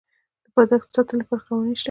د دښتو د ساتنې لپاره قوانین شته.